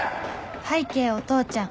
拝啓お父ちゃん